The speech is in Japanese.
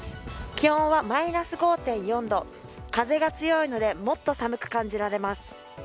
気温はマイナス５．４度風が強いのでもっと寒く感じられます。